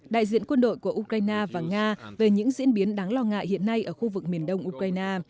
đại diện quân đội của ukraine và nga về những diễn biến đáng lo ngại hiện nay ở khu vực miền đông ukraine